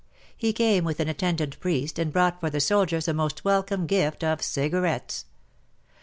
He came with an attendant priest and brought for the soldiers a most welcome gift of cigarettes.